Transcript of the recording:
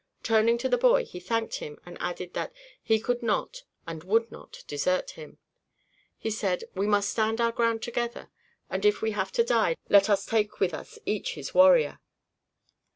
Turning to the boy he thanked him and added that "he could not and would not desert him." He said "we must stand our ground together and if we have to die let us take with us each his warrior."